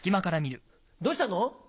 どうしたの？